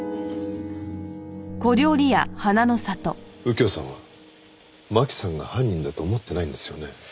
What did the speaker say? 右京さんは真紀さんが犯人だと思ってないんですよね？